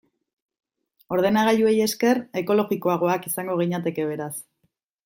Ordenagailuei esker, ekologikoagoak izango ginateke, beraz.